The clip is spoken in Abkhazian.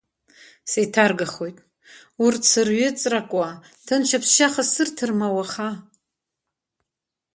Сеиҭаргахуеит, урҭ сырҩыҵракуа, ҭынч аԥсшьаха сырҭар ма уаха?!